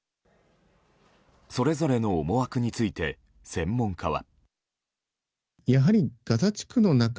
それぞれの思惑について専門家は。